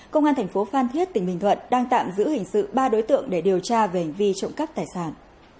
công an thành phố phan thiết tỉnh bình thuận đang tạm giữ hình sự ba đối tượng để điều tra về hành vi trộm cắp tài sản